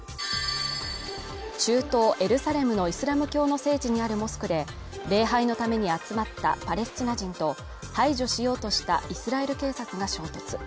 中東エルサレムのイスラム教の聖地にあるモスクで礼拝のために集まったパレスチナ人と排除しようとしたイスラエル警察が衝突。